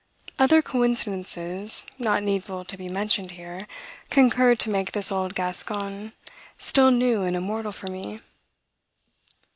Other coincidences, not needful to be mentioned here, concurred to make this old Gascon still new and immortal for me.